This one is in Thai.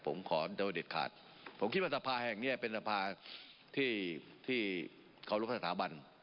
ผมขอโดยเด็ดขาดผมคิดว่าสภาแห่งนี้เป็นสภาที่เคารพสถาบัน